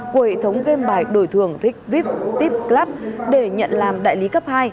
của hệ thống game bài đổi thường rigvit tip club để nhận làm đại lý cấp hai